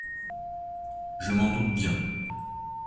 Je m'en doute bien.